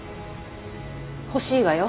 欲しいわよ。